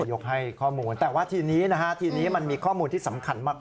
ยกให้ข้อมูลแต่ว่าทีนี้นะฮะทีนี้มันมีข้อมูลที่สำคัญมาก